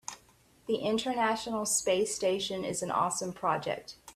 The international space station is an awesome project.